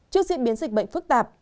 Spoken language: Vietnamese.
trước diễn biến dịch bệnh phức tạp